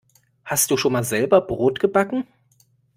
Hast du schon mal selber Brot gebacken?